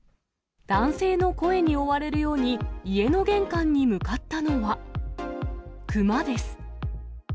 男性の声に追われるように、家の玄関に向かったのは、熊です。